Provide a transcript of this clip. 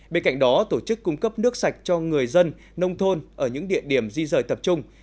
bên cạnh đó tổ chức cung cấp nước sạch cho người dân nông thôn ở những địa điểm di rời tập trung